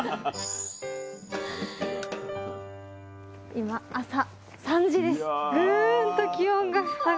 今朝３時です。